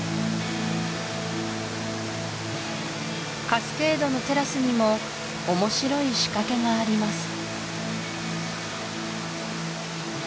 カスケードのテラスにも面白い仕掛けがあります